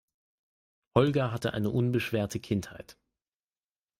Holger hatte eine unbeschwerte Kindheit.